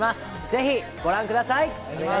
ぜひご覧ください。